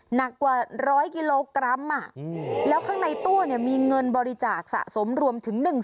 หนักกว่า๑๐๐กิโลกรัมแล้วข้างในตู้มีเงินบริจาคสะสมรวมถึง